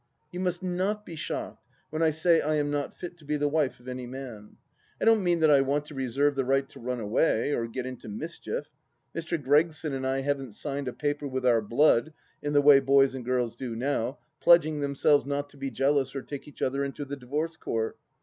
You must not be shocked when I say I am not fit to be the wife of any man. I don't mean that I want to reserve the right to run away, or get into mischief. Mr. Gregson and I haven't signed a paper with our blood, in the way boys and girls do now, pledging themselves not to be jealous or take each other into the divorce court.